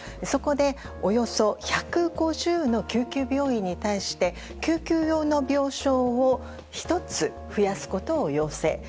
そこで、およそ１５０の救急病院に対して救急用の病床を１つ増やすことを要請。